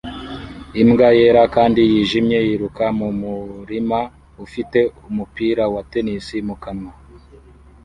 Imbwa yera kandi yijimye yiruka mu murima ufite umupira wa tennis mu kanwa